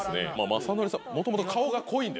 雅紀さん